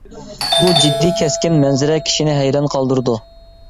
بۇ جىددىي كەسكىن مەنزىرە كىشىنى ھەيران قالدۇرىدۇ.